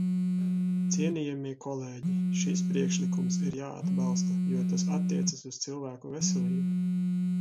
Cienījamie kolēģi, šis priekšlikums ir jāatbalsta, jo tas attiecas uz cilvēku veselību.